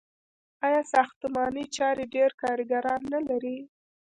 آیا ساختماني چارې ډیر کارګران نلري؟